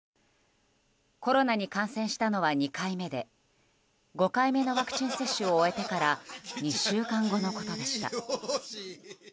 コロナに感染したのは２回目で５回目のワクチン接種を終えてから２週間後のことでした。